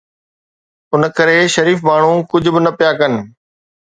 ان ڪري شريف ماڻهو ڪجهه به نه پيا ڪن.